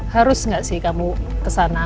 harus nggak sih kamu kesana